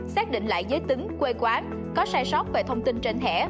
xác định lại giới tính quê quán có sai sót về thông tin trên thẻ